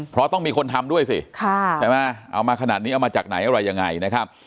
เพราะต้องมีคนทำด้วยสิใช่ไหมเอามาขนาดนี้เอามาจากไหนอะไรยังไงนะครับ